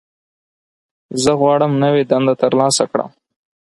زه غواړم نوې دنده ترلاسه کړم.